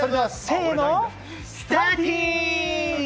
スターティン！